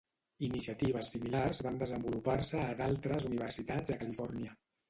Iniciatives similars van desenvolupar-se a d'altres Universitats a Califòrnia.